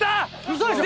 嘘でしょ？